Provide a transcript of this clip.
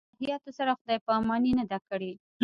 دې الهیاتو سره خدای پاماني نه ده کړې.